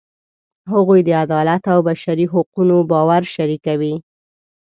هغوی د عدالت او بشري حقونو باور شریکوي.